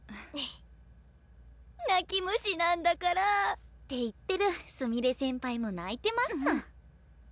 泣き虫なんだからあ。って言ってるすみれ先輩も泣いてますの。